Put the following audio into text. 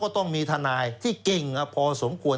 ต้องมีทนายที่เก่งพอสมควร